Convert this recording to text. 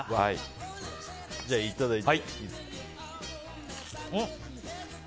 じゃあいただいて。